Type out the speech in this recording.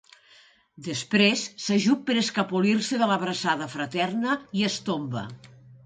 Després s'ajup per escapolir-se de l'abraçada fraterna i es tomba.